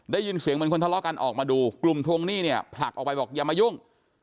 ได้ยินเสียงเหมือนคนทะเลาะกันออกมาดูกลุ่มทวงหนี้เนี่ยผลักออกไปบอกอย่ามายุ่ง